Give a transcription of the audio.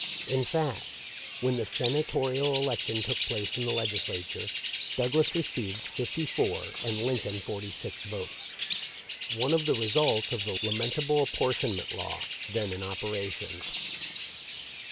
In fact, when the Sena torial election took place in the Legislature, Douglas received fifty four and Lincoln forty six votes — one of the results of the lamentable appor tionment law then in operation.